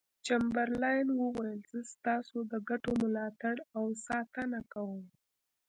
چمبرلاین وویل زه ستاسو د ګټو ملاتړ او ساتنه کوم.